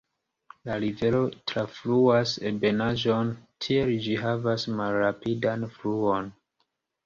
La rivero trafluas ebenaĵon, tiel ĝi havas malrapidan fluon.